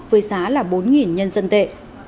với giá là bốn nhân dân tệ